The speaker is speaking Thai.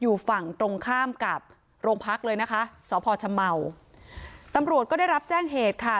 อยู่ฝั่งตรงข้ามกับโรงพักเลยนะคะสพชเมาตำรวจก็ได้รับแจ้งเหตุค่ะ